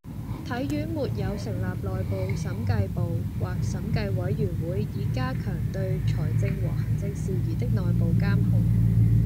體院沒有成立內部審計部或審計委員會以加強對財政和行政事宜的內部監控